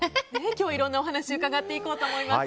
今日はいろんなお話を伺おうと思います。